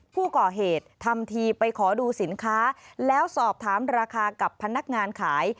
ผู้ก่อเหตุทำทีไปขอดูสินค้าแล้วสอบถามราคากับพนักงานขาย